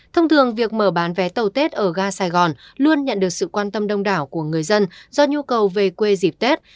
thông thường việc mở bán vé tàu tết ở ga sài gòn luôn nhận được sự quan tâm đông đảo của người dân do nhu cầu về quê dịp tết